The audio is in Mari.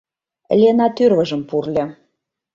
Лена тӱрвыжым пурльо.